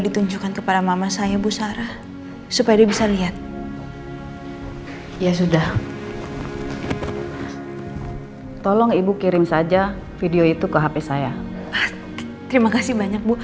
terima kasih banyak bu